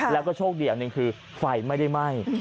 แล้วก็โชคดีอันหนึ่งคือไฟไม่ได้ไหม้